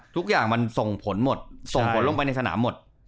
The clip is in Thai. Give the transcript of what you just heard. ทุกอย่างมันส่งผลลงไปในสนามหมด